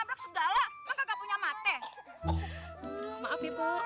pake nabrak segala mah kagak punya mata